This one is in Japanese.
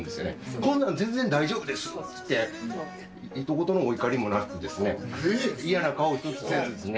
こんなん全然大丈夫ですって言って、ひと言のお怒りもなく、嫌な顔一つせずですね。